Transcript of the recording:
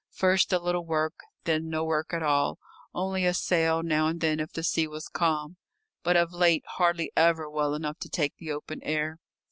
First a little work, then no work at all, only a sail now and then if the sea was calm, but of late hardly ever well enough to take the open air.